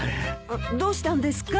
どうしたんですか？